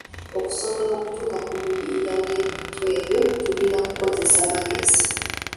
Okusobola okutuuka ku muyiiya w’ebintu ebyo tulina kukozesa magezi